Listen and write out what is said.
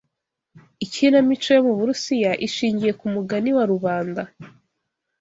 Ikinamico yo mu Burusiya ishingiye ku mugani wa rubanda